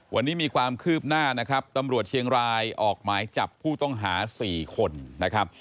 วันนี้มีความคืบหน้านะครับตำรวจเชียงรายออกหมายจับผู้ต้องหา๔คนนะครับ